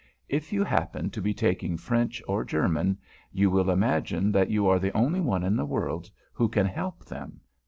If you happen to be taking French or German, you will imagine that you are the only one in the world who can help them.